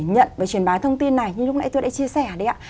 nhận và truyền bá thông tin này như lúc nãy tôi đã chia sẻ đấy ạ